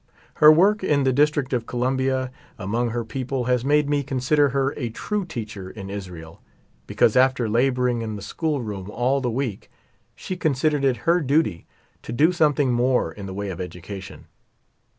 Her work in the District of Columbia among her people has made me consider her a "true teacher in Israel," because after laboring in the school room all the week she considered it her duty to do something more in the way of education.